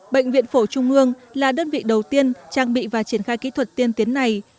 bệnh viện phổ trung ương là đơn vị đầu tiên trang bị và triển khai kỹ thuật tiên tiến này